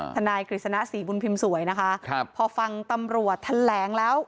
ทนายกฤษณะสีบุญพิมพ์สวยนะคะพอฟังตำรวจแถนแหลงแล้ว